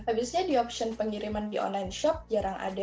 habisnya di option pengiriman di online shop jarang ada